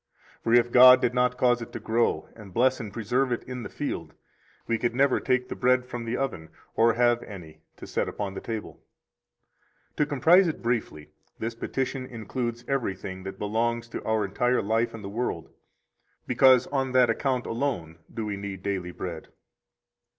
For if God did not cause it to grow, and bless and preserve it in the field, we could never take bread from the oven or have any to set upon the table. 73 To comprise it briefly, this petition includes everything that belongs to our entire life in the world, because on that account alone do we need daily bread.